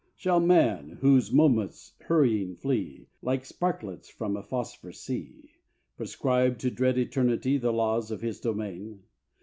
Shall man, whose moments hurrying flee, Like sparklets from a phosphor sea, Prescribe to dread Eternity The laws of His domain?